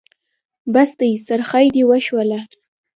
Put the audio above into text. بس دی؛ څرخی دې وشوله.